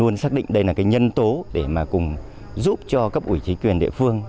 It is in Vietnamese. luôn xác định đây là cái nhân tố để mà cùng giúp cho cấp ủy chính quyền địa phương